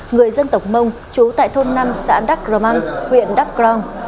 người dân tộc mông chú tại thôn năm xã đắk rômăng huyện đắk gron